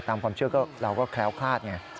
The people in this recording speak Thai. ตามความเชื่อก็เราก็แคล้วคลาดไง